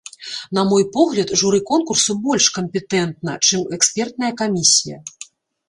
На мой погляд, журы конкурсу больш кампетэнтна, чым экспертная камісія.